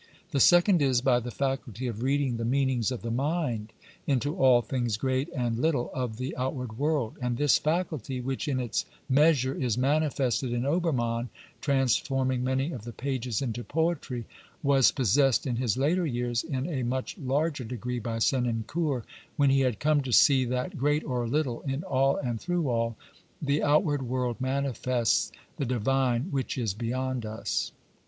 The second is by the faculty of reading the lii BIOGRAPHICAL AND meanings of the mind into all things great and little of the outward world, and this faculty, which, in its mea sure is manifested in Obermann, transforming many of the pages into poetry, was possessed in his later years in a much larger degree by Senancour, when he had come to see that, great or little, in all and through all, the outward world manifests the divine which is beyond us.